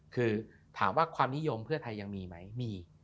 คือถามว่าความนิยมเพื่อไทยยังมีไหมมี